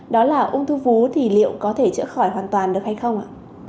đó là ung thư vú thì liệu có thể chữa khỏi hoàn toàn được hay không ạ